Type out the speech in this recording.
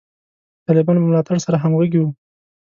د طالبانو په ملاتړ کې سره همغږي وو.